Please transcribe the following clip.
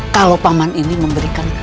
kalau paman ini memberikan